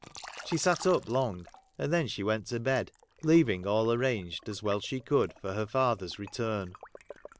She sat up long, and then she went to bed, leaving all arranged as well as she could for her father's return.